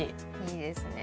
いいですね。